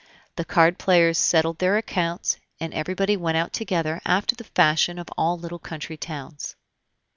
The card players settled their accounts, and everybody went out together, after the fashion of all little country towns.